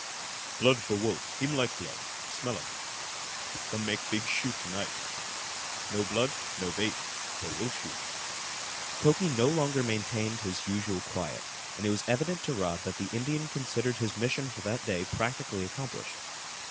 "Blood for wolf. Heem like blood. Smell um come make big shoot to night. No blood, no bait no wolf shoot!" Mukoki no longer maintained his usual quiet, and it was evident to Rod that the Indian considered his mission for that day practically accomplished.